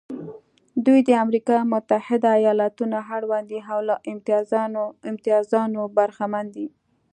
دوی د امریکا متحده ایالتونو اړوند دي او له امتیازونو برخمن دي.